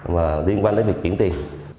mà liên quan đến việc chuyển tiền